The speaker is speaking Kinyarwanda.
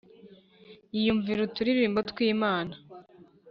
yiyumvira uturirimbo twimana